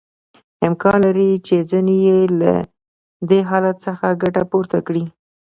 امکان لري چې ځینې یې له دې حالت څخه ګټه پورته کړي